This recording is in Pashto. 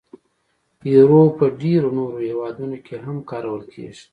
یورو په ډیری نورو هیوادونو کې هم کارول کېږي.